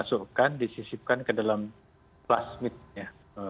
masukkan disisipkan ke dalam plasmidnya